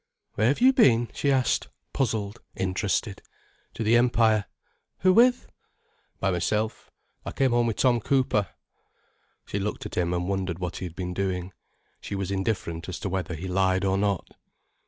"Where have you been?" she asked, puzzled, interested. "To the Empire." "Who with?" "By myself. I came home with Tom Cooper." She looked at him, and wondered what he had been doing. She was indifferent as to whether he lied or not.